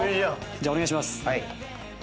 じゃあお願いします。